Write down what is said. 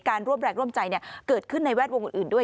ร่วมแรงร่วมใจเกิดขึ้นในแวดวงอื่นด้วย